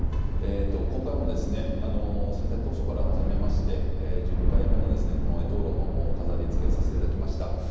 今回も震災当初から始めまして１０回目の絵灯篭の飾りつけをさせていただきました。